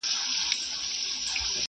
ښه دیقاسم یار چي دا ثواب او دا ګنا کوي,